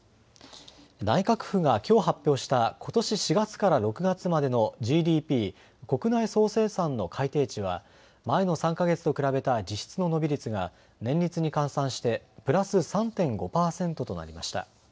内閣府がきょう発表したことし４月から６月までのＧＤＰ・国内総生産の改定値は前の３か月と比べた実質の伸び率が年率に換算してプラス３．５％となりました。